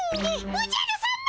おじゃるさま！